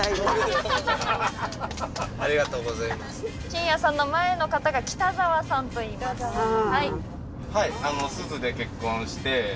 新谷さんの前の方が北澤さんといいます。